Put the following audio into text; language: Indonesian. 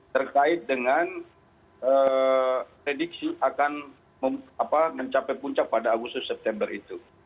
terkait dengan prediksi akan mencapai puncak pada agustus september itu